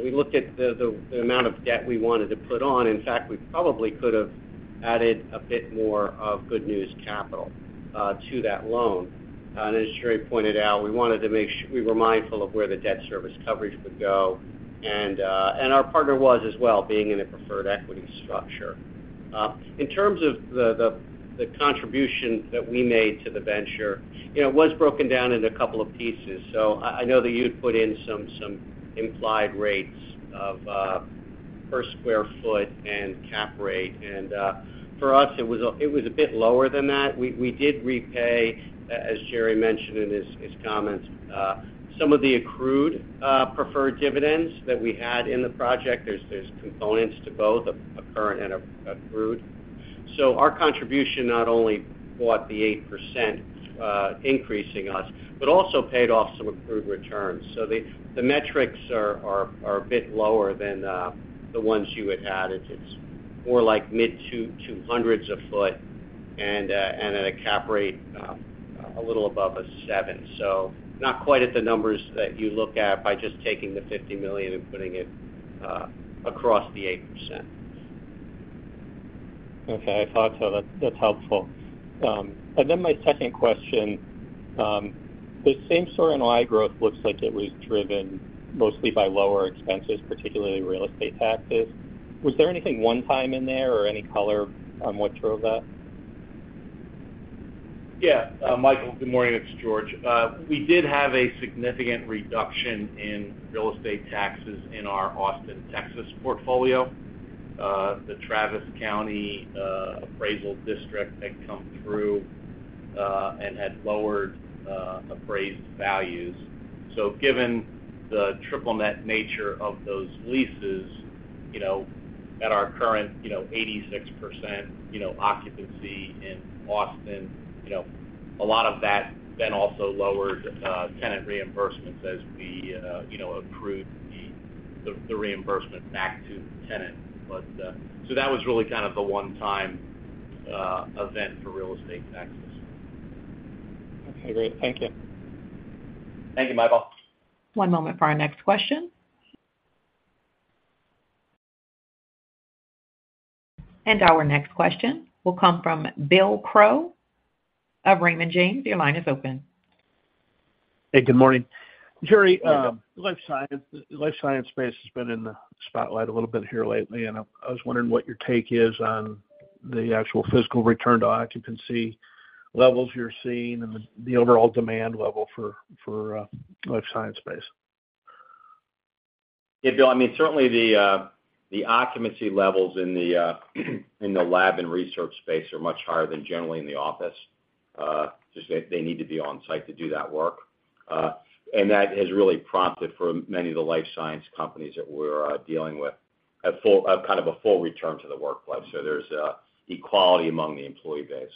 we looked at the amount of debt we wanted to put on. In fact, we probably could have added a bit more of good news capital to that loan. As Jerry pointed out, we wanted to make sure we were mindful of where the debt service coverage would go, and our partner was as well, being in a preferred equity structure. In terms of the contribution that we made to the venture, you know, it was broken down into a couple of pieces. I know that you'd put in some implied rates of.... per square foot and cap rate. For us, it was a bit lower than that. We did repay, as Jerry Sweeney mentioned in his comments, some of the accrued preferred dividends that we had in the project. There's components to both a current and approved. Our contribution not only bought the 8%, increasing us, but also paid off some approved returns. The metrics are a bit lower than the ones you had added. It's more like mid $200s a foot and a cap rate a little above a 7. Not quite at the numbers that you look at by just taking the $50 million and putting it across the 8%. I thought so. That's helpful. My second question, the same store NOI growth looks like it was driven mostly by lower expenses, particularly real estate taxes. Was there anything one-time in there or any color on what drove that? Michael, good morning, it's George. We did have a significant reduction in real estate taxes in our Austin, Texas portfolio. The Travis County Appraisal District had come through and had lowered appraised values. Given the triple net nature of those leases, you know, at our current, you know, 86%, you know, occupancy in Austin, you know, a lot of that then also lowered tenant reimbursements as we, you know, accrued the reimbursement back to the tenant. That was really kind of a one-time event for real estate taxes. Okay, great. Thank you. Thank you, Michael. One moment for our next question. Our next question will come from Bill Crow of Raymond James. Your line is open. Hey, good morning. Jerry, Welcome. Life science space has been in the spotlight a little bit here lately, and I was wondering what your take is on the actual physical return to occupancy levels you're seeing and the overall demand level for life science space? Bill, I mean, certainly the occupancy levels in the lab and research space are much higher than generally in the office. Just that they need to be on site to do that work. That has really prompted for many of the life science companies that we're dealing with, kind of a full return to the workplace. There's equality among the employee base.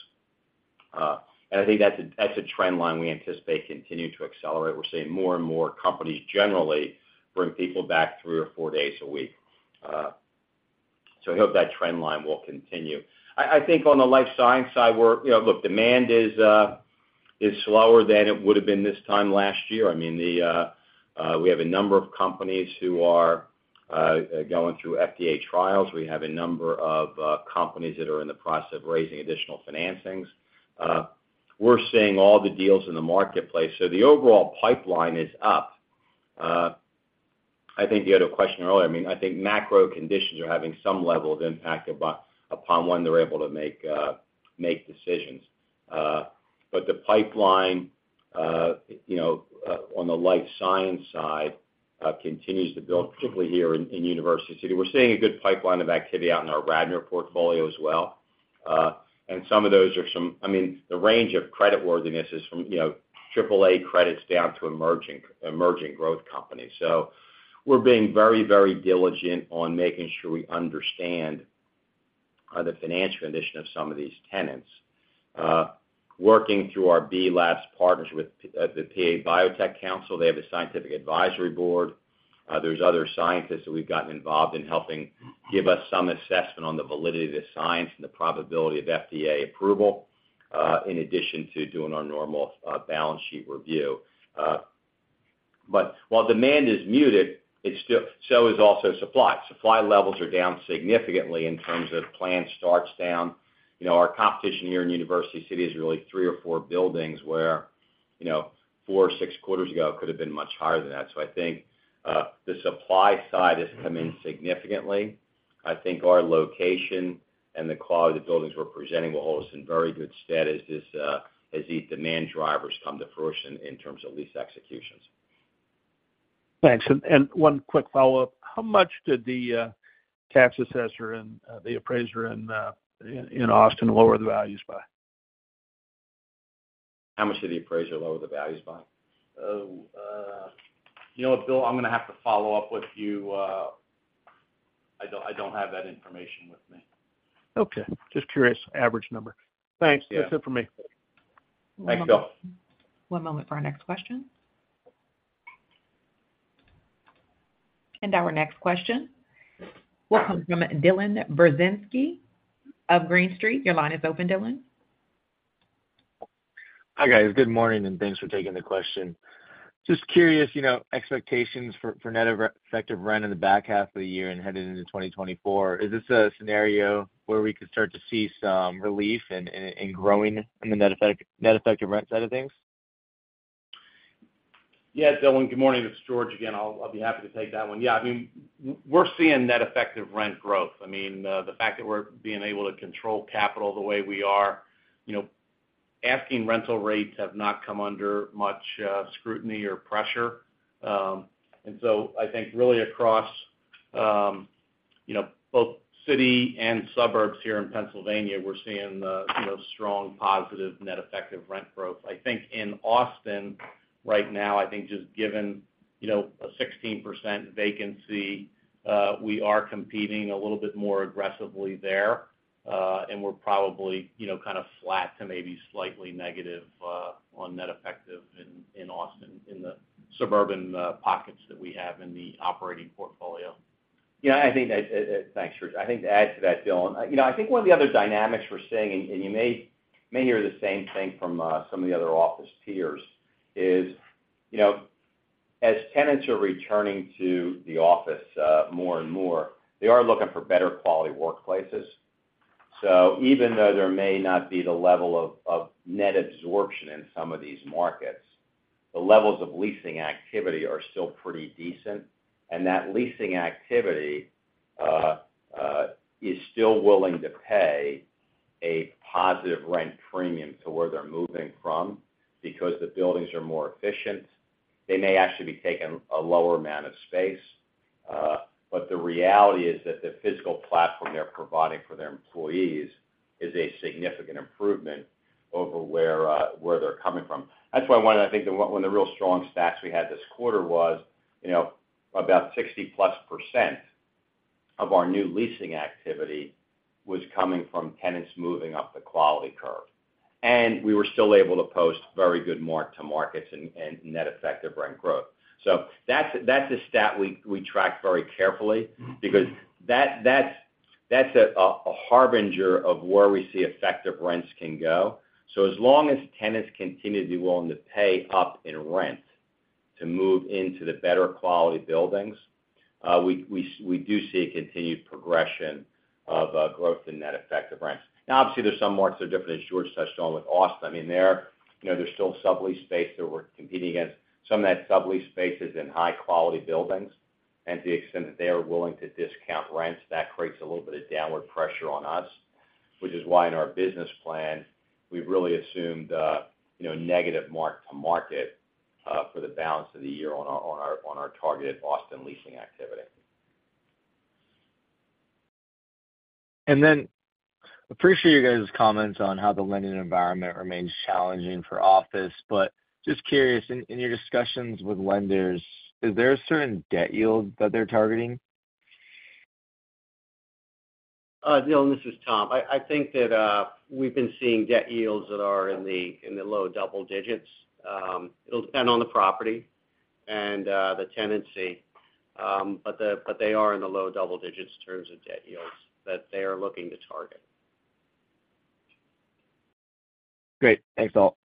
I think that's a, that's a trend line we anticipate continuing to accelerate. We're seeing more and more companies generally bring people back 3 or 4 days a week. We hope that trend line will continue. I think on the life science side, we're, you know, look, demand is slower than it would have been this time last year. I mean, we have a number of companies who are going through FDA trials. We have a number of companies that are in the process of raising additional financings. We're seeing all the deals in the marketplace. The overall pipeline is up. I think you had a question earlier. I mean, I think macro conditions are having some level of impact upon when they're able to make decisions. The pipeline, you know, on the life science side continues to build, particularly here in University City. We're seeing a good pipeline of activity out in our Radnor portfolio as well. Some of those are I mean, the range of creditworthiness is from, you know, triple-A credits down to emerging growth companies. We're being very, very diligent on making sure we understand the financial condition of some of these tenants. Working through our B+labs partnership with the Pennsylvania Biotechnology Center, they have a scientific advisory board. There's other scientists that we've gotten involved in helping give us some assessment on the validity of the science and the probability of FDA approval, in addition to doing our normal balance sheet review. While demand is muted, it's still, so is also supply. Supply levels are down significantly in terms of plan starts down. You know, our competition here in University City is really three or four buildings where, you know, four or six quarters ago, it could have been much higher than that. I think the supply side has come in significantly. I think our location and the quality of the buildings we're presenting will hold us in very good stead as the demand drivers come to fruition in terms of lease executions. Thanks. One quick follow-up. How much did the tax assessor and the appraiser in Austin lower the values by? How much did the appraiser lower the values by? Oh, you know what, Bill? I'm gonna have to follow up with you. I don't have that information with me. Okay, just curious, average number. Thanks. Yeah. That's it for me. Thanks, Bill. One moment for our next question. Our next question will come from Dylan Burzinski of Green Street. Your line is open, Dylan. Hi, guys. Good morning, and thanks for taking the question. Just curious, you know, expectations for net effective rent in the back half of the year and headed into 2024. Is this a scenario where we could start to see some relief in growing in the net effective rent side of things? Yeah, Dylan, good morning. It's George again. I'll be happy to take that one. Yeah, I mean, we're seeing net effective rent growth. I mean, the fact that we're being able to control capital the way we are, you know...... asking rental rates have not come under much scrutiny or pressure. I think really across, you know, both city and suburbs here in Pennsylvania, we're seeing, you know, strong positive net effective rent growth. I think in Austin, right now, I think just given, you know, a 16% vacancy, we are competing a little bit more aggressively there. We're probably, you know, kind of flat to maybe slightly negative on net effective in Austin, in the suburban pockets that we have in the operating portfolio. Yeah, I think that, thanks, George. I think to add to that, Dylan, you know, I think one of the other dynamics we're seeing, and you may hear the same thing from some of the other office peers, is, you know, as tenants are returning to the office, more and more, they are looking for better quality workplaces. Even though there may not be the level of net absorption in some of these markets, the levels of leasing activity are still pretty decent. That leasing activity is still willing to pay a positive rent premium to where they're moving from because the buildings are more efficient. They may actually be taking a lower amount of space, the reality is that the physical platform they're providing for their employees is a significant improvement over where they're coming from. That's why one of the real strong stats we had this quarter was, you know, about 60%+ of our new leasing activity was coming from tenants moving up the quality curve. We were still able to post very good mark-to-markets and net effective rent growth. That's a stat we track very carefully because that's a harbinger of where we see effective rents can go. As long as tenants continue to be willing to pay up in rent to move into the better quality buildings, we do see a continued progression of growth in net effective rents. Obviously, there's some markets that are different, as George touched on with Austin. I mean, there, you know, there's still sublease space that we're competing against. Some of that sublease space is in high-quality buildings, and to the extent that they are willing to discount rents, that creates a little bit of downward pressure on us, which is why in our business plan, we've really assumed, you know, negative mark-to-market for the balance of the year on our targeted Austin leasing activity. Appreciate you guys' comments on how the lending environment remains challenging for office, but just curious, in your discussions with lenders, is there a certain debt yield that they're targeting? Dylan, this is Tom. I think that we've been seeing debt yields that are in the low double digits. It'll depend on the property and the tenancy, but they are in the low double digits in terms of debt yields that they are looking to target. Great. Thanks, all.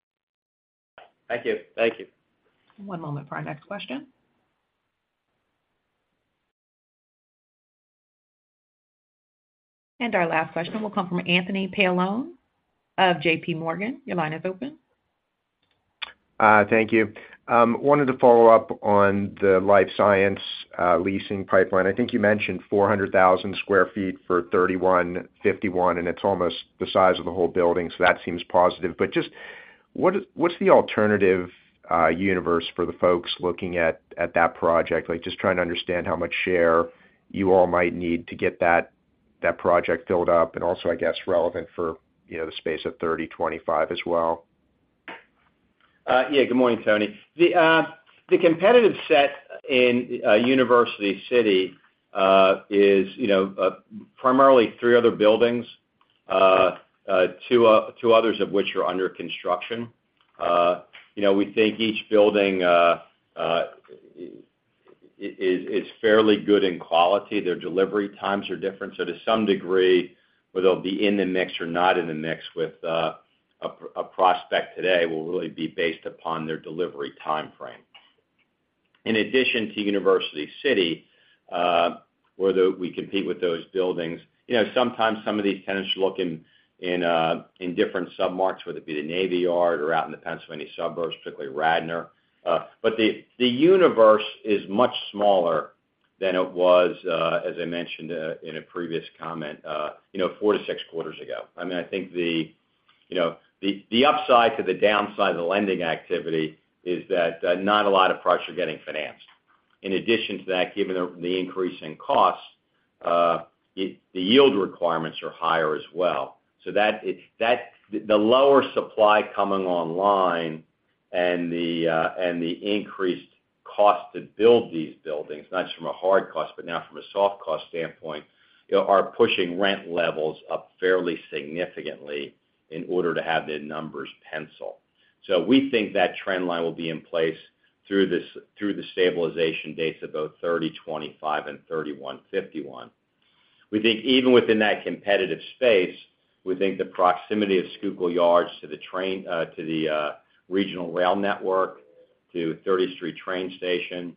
Thank you. Thank you. One moment for our next question. Our last question will come from Anthony Paolone of JP Morgan. Your line is open. Thank you. Wanted to follow up on the life science leasing pipeline. I think you mentioned 400,000 sq ft for 3151, it's almost the size of the whole building, so that seems positive. Just, what's the alternative universe for the folks looking at that project? Like, just trying to understand how much share you all might need to get that project built up, and also, I guess, relevant for, you know, the space at 3025 as well. Yeah. Good morning, Tony. The competitive set in University City is, you know, primarily 3 other buildings, 2 others of which are under construction. You know, we think each building is fairly good in quality. Their delivery times are different. To some degree, whether they'll be in the mix or not in the mix with a prospect today, will really be based upon their delivery timeframe. In addition to University City, where we compete with those buildings, you know, sometimes some of these tenants look in different submarkets, whether it be the Navy Yard or out in the Pennsylvania suburbs, particularly Radnor. The, the universe is much smaller than it was, as I mentioned, in a previous comment, you know, 4 to 6 quarters ago. I mean, I think the, you know, the upside to the downside of the lending activity is that, not a lot of projects are getting financed. In addition to that, given the increase in costs, the yield requirements are higher as well. The lower supply coming online and the increased cost to build these buildings, not just from a hard cost, but now from a soft cost standpoint, you know, are pushing rent levels up fairly significantly in order to have the numbers pencil. We think that trend line will be in place through this, through the stabilization dates of both 3025 and 3151. We think even within that competitive space, we think the proximity of Schuylkill Yards to the train, to the regional rail network, to 30th Street train station,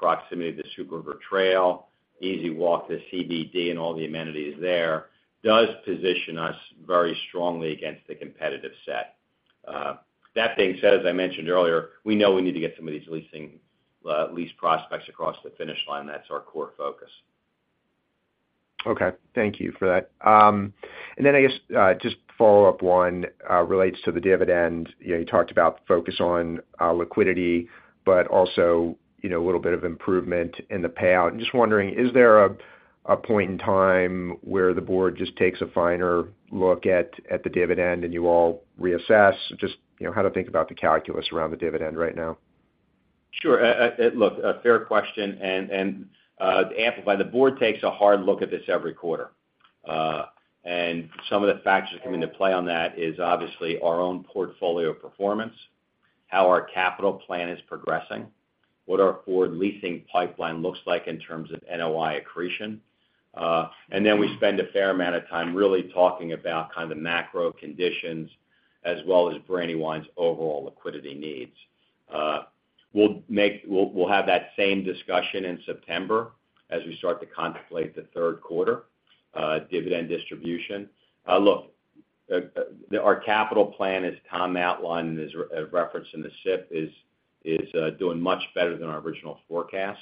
proximity to the Schuylkill River Trail, easy walk to CBD and all the amenities there, does position us very strongly against the competitive set. That being said, as I mentioned earlier, we know we need to get some of these leasing, lease prospects across the finish line. That's our core focus. Okay, thank you for that. I guess, just follow-up 1, relates to the dividend. You know, you talked about the focus on liquidity, but also, you know, a little bit of improvement in the payout. I'm just wondering, is there a point in time where the board just takes a finer look at the dividend, and you all reassess? Just, you know, how to think about the calculus around the dividend right now. Sure. Look, a fair question, and to amplify, the board takes a hard look at this every quarter. Some of the factors that come into play on that is obviously our own portfolio performance, how our capital plan is progressing, what our forward leasing pipeline looks like in terms of NOI accretion. Then we spend a fair amount of time really talking about kind of the macro conditions as well as Brandywine's overall liquidity needs. We'll have that same discussion in September as we start to contemplate the third quarter dividend distribution. Look, our capital plan, as Tom outlined and is referenced in the SIP, is doing much better than our original forecast.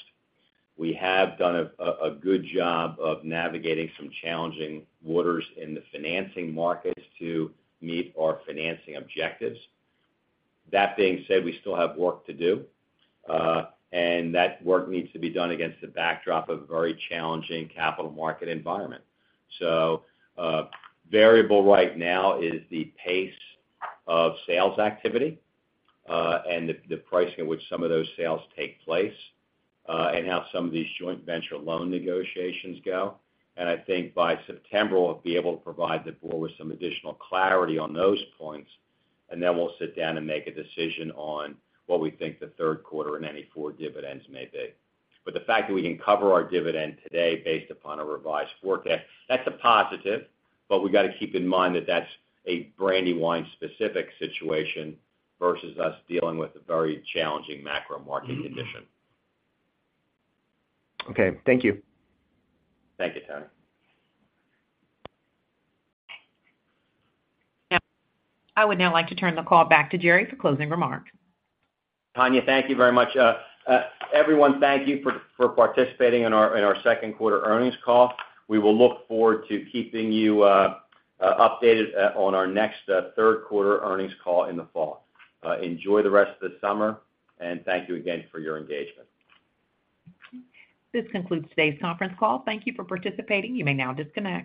We have done a good job of navigating some challenging waters in the financing markets to meet our financing objectives. That being said, we still have work to do, and that work needs to be done against the backdrop of a very challenging capital market environment. Variable right now is the pace of sales activity, and the pricing at which some of those sales take place, and how some of these joint venture loan negotiations go. I think by September, we'll be able to provide the board with some additional clarity on those points, we'll sit down and make a decision on what we think the third quarter and any forward dividends may be. The fact that we can cover our dividend today based upon a revised forecast, that's a positive, but we've got to keep in mind that that's a Brandywine specific situation versus us dealing with a very challenging macro market condition. Okay. Thank you. Thank you, Tony. I would now like to turn the call back to Jerry for closing remarks. Tanya, thank you very much. Everyone, thank you for participating in our second quarter earnings call. We will look forward to keeping you updated on our next third quarter earnings call in the fall. Enjoy the rest of the summer, and thank you again for your engagement. This concludes today's conference call. Thank you for participating. You may now disconnect.